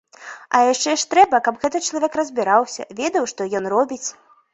А яшчэ ж трэба, каб гэты чалавек разбіраўся, ведаў, што ён робіць.